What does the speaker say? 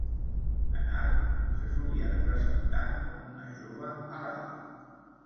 En art, se solia representar com una jove alada.